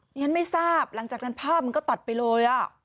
ฉันไม่ทราบหลังจากนั้นภาพมันก็ตัดไปเลย